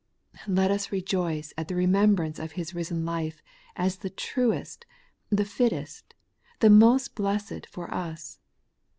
Let us rejoice at the remembrance of His risen life as the truest, the fittest, the most blessed for us.